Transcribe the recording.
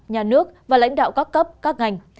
nhà nước và lãnh đạo các cấp các ngành